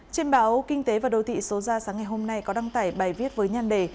trên báo kinh tế và đầu thị số ra sáng ngày hôm nay có đăng tải bài viết với nhan đề